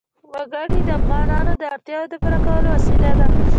وګړي د افغانانو د اړتیاوو د پوره کولو وسیله ده.